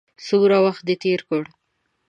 څومره وخت دې تېر کړ.